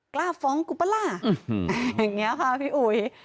กล้าฟ้องกูปะล่ะอย่างนี้ค่ะพี่อุ๋ย